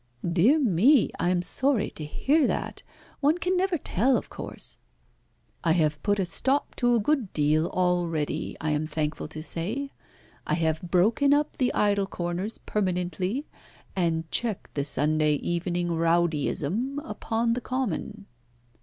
"Dear me! I am sorry to hear that. One can never tell, of course." "I have put a stop to a good deal already, I am thankful to say. I have broken up the idle corners permanently, and checked the Sunday evening rowdyism upon the common."